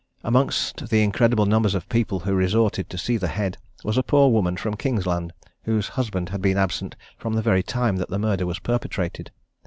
Amongst the incredible numbers of people who resorted to see the head was a poor woman from Kingsland, whose husband had been absent from the very time that the murder was perpetrated.